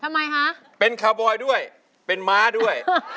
ทำไมคะเป็นคาร์บอยด้วยเป็นม้าด้วย